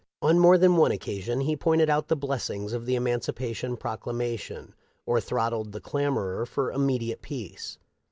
On more than one occasion he pointed out the blessings of the Emancipation Proclamation or throttled the clamorer for immediate peace.